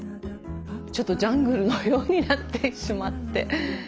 ちょっとジャングルのようになってしまって。